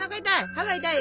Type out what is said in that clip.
歯が痛い？